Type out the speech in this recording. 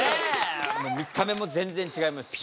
見た目も全然ちがいますし。